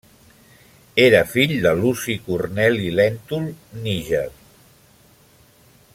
Era fill de Luci Corneli Lèntul Níger.